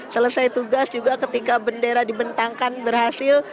selesai tugas juga ketika bendera dibentangkan berhasil